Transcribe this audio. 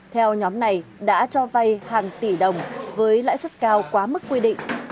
theo nhóm này đã cho vay hàng tỷ đồng với lãi suất cao quá mức quy định